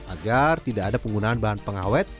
agar tidak ada penggunaan bahan pengawet